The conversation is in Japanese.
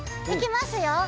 いきますよ！